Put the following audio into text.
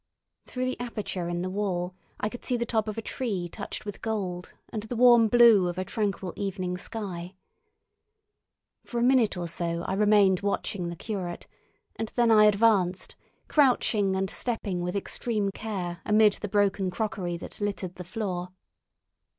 Through the aperture in the wall I could see the top of a tree touched with gold and the warm blue of a tranquil evening sky. For a minute or so I remained watching the curate, and then I advanced, crouching and stepping with extreme care amid the broken crockery that littered the floor.